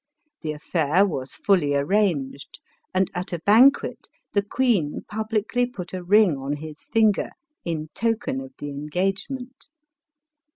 The affair was fully arranged, and, at a banquet, the queen publicly put a ring on his finger, in token of the engagement.